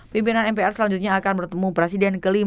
pimpinan mpr selanjutnya akan bertemu presiden ke lima